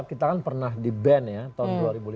kita kan pernah di ban ya tahun dua ribu lima belas